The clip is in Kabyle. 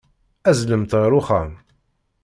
Azzlemt ɣer uxxam.